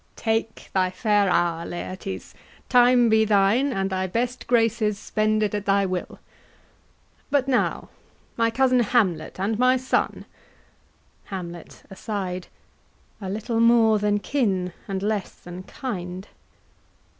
KING. Take thy fair hour, Laertes; time be thine, And thy best graces spend it at thy will! But now, my cousin Hamlet, and my son— HAMLET. [Aside.] A little more than kin, and less than kind.